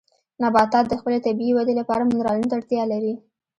نباتات د خپلې طبیعي ودې لپاره منرالونو ته اړتیا لري.